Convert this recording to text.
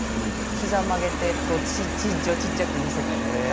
膝曲げてこう身長ちっちゃく見せたりとか。